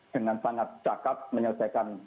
dengan sangat cakap menyelesaikan